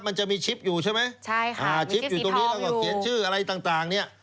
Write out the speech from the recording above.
มันจะมีชิปอยู่ใช่ไหมใช่ค่ะอ่าชิปอยู่ตรงนี้แล้วก็เขียนชื่ออะไรต่างเนี่ย